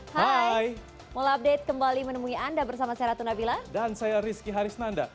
hai mau update kembali menemui anda bersama saya ratu nabila dan saya rizky harisnanda